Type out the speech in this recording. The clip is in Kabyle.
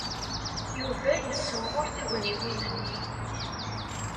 Yuba yessemɣer tugniwin-nni.